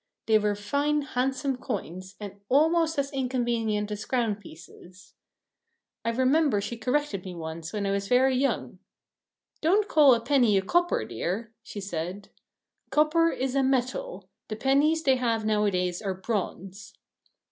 They were fine handsome coins, and almost as inconvenient as crown pieces. I remember she corrected me once when I was very young. "Don't call a penny a copper, dear," she said; "copper is a metal. The pennies they have nowadays are bronze."